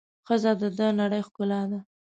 ښځه د د نړۍ ښکلا ده.